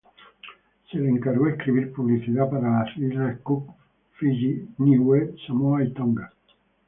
Se le encargó escribir publicidad para las Islas Cook, Fiyi, Niue, Samoa y Tonga.